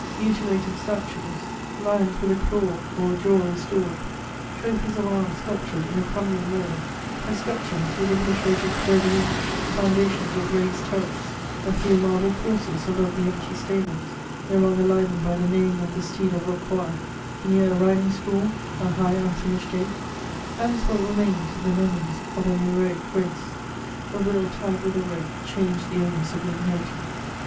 Mutilated statues, lions with a claw or a jaw restored; trophies of arms sculptured in a crumbling wall; escutcheons with obliterated fleurs de lis; foundations of razed turrets; a few marble coursers above the empty stables no longer livened by the neighing of the steed of Rocroi; near a riding school, a high unfinished gate: that is what remains of the memories of an heroic race; a will tied with a rope changed the owners of the inheritance.